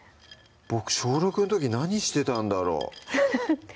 僕小６の時何してたんだろう